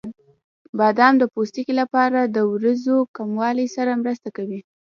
بادام د پوستکي لپاره د وریځو کموالي سره مرسته کوي.